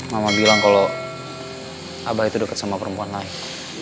mama bilang kalau abah itu dekat sama perempuan lain